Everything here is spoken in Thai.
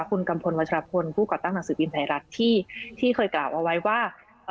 คุณกัมพลวัชรพลผู้ก่อตั้งหนังสือพิมพ์ไทยรัฐที่เคยกล่าวเอาไว้ว่า